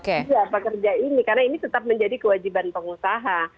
bisa pekerja ini karena ini tetap menjadi kewajiban pengusaha